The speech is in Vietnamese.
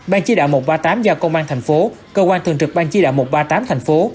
ban chỉ đạo một trăm ba mươi tám giao công an thành phố cơ quan thường trực ban chỉ đạo một trăm ba mươi tám thành phố